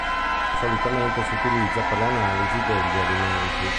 Solitamente si utilizza per le analisi degli alimenti.